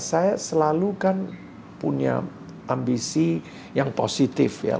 saya selalu kan punya ambisi yang positif ya